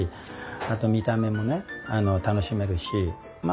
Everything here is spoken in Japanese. あと見た目もね楽しめるしま